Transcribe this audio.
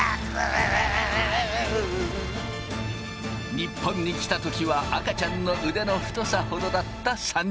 日本に来た時は赤ちゃんの腕の太さほどだった３人。